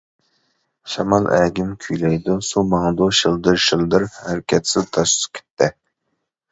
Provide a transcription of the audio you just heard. شامال ئەگىم كۈيلەيدۇ، سۇ ماڭىدۇ شىلدىر-شىلدىر، ھەرىكەتسىز تاش سۈكۈتتە.